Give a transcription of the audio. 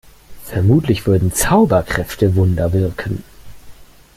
Vermutlich würden Zauberkräfte Wunder wirken.